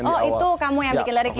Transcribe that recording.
oh itu kamu yang bikin liriknya